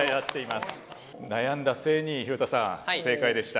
悩んだ末に廣田さん正解でした。